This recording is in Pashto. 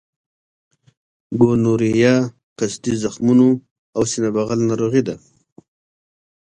ګونورهیا قصدي زخمونو او سینه بغل ناروغۍ لري.